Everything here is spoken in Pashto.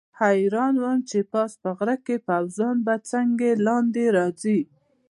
حیران وم چې پاس په غره کې پوځیان به څنګه لاندې راځي.